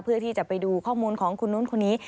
เพื่อที่จะไปดูข้อมูลของคุณนู้นคนนี้